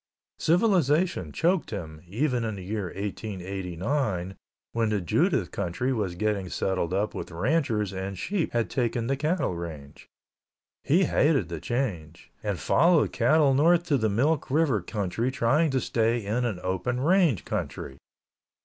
Civilization choked him even in the year 1889 when the Judith country was getting settled up with ranchers and sheep had taken the cattle range. He hated the change, and followed cattle north to the Milk River Country trying to stay in an open range country.